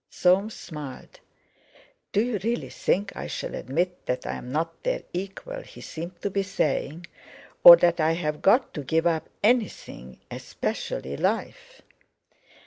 Soames smiled. "Do you really think I shall admit that I'm not their equal". he seemed to be saying, "or that I've got to give up anything, especially life?"